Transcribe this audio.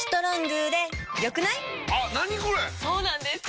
そうなんです！